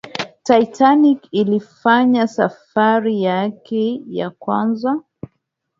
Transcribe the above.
titanic ilifanya safari yake ya kwanza